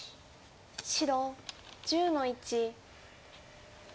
白１０の一。